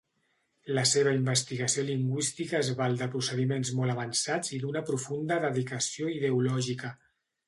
La seva investigació lingüística es val de procediments molt avançats i d'una profunda dedicació ideològica.